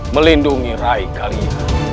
melindungi rai kalian